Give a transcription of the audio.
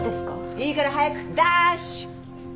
いいから早くダッシュ。